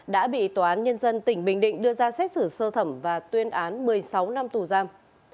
đã bị tòa án nhân dân tỉnh bình định đưa ra xét xử sơ thẩm và tuyên án một mươi sáu năm tù giam